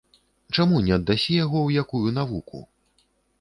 Чаму не аддасі яго ў якую навуку?